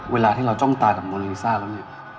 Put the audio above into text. เวลาที่เราจ้องตากับน้องลิซ่าแล้วเนี่ย